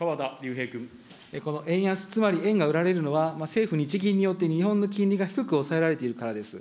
この円安、つまり円が売られるのは、政府・日銀によって、日本の金利が低く抑えられているからです。